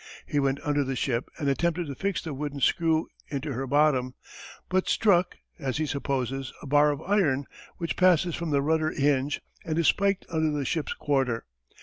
He went under the ship and attempted to fix the wooden screw into her bottom, but struck, as he supposes, a bar of iron which passes from the rudder hinge, and is spiked under the ship's quarter.